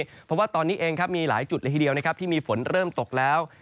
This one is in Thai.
อย่างนึงเป็นเพราะตอนนี้เองครับมีหลายจุดเลยทีเดียวที่มีฝนเริ่มตกแล้ว